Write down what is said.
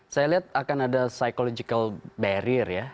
saya lihat akan ada psychological barrier ya